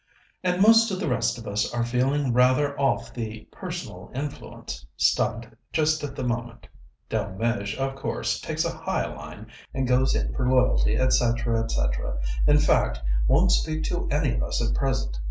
" and most of the rest of us are feeling rather off the 'personal influence' stunt just at the moment. Delmege, of course, takes a high line and goes in for loyalty, etc., etc. in fact, won't speak to any of us at present.